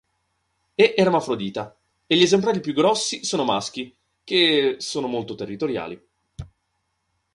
È ermafrodita, e gli esemplari più grossi sono maschi, che sono molto territoriali.